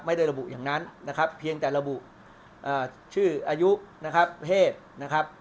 ไม่ได้ระบุอย่างนั้นนะครับเพียงแต่ระบุชื่ออายุนะครับเพศนะครับ